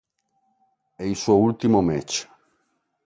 È il suo ultimo match.